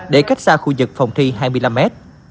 để cách xa khu vực phòng thi hai mươi năm mét